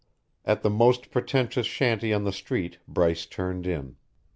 At the most pretentious shanty on the street Bryce turned in.